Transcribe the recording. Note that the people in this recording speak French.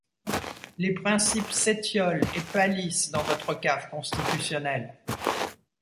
Les principes s’étiolent et pâlissent dans votre cave constitutionnelle.